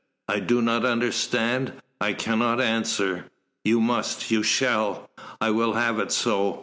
"I do not understand. I cannot answer." "You must. You shall. I will have it so.